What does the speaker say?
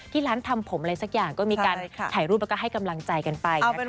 ร้านทำผมอะไรสักอย่างก็มีการถ่ายรูปแล้วก็ให้กำลังใจกันไปนะคะ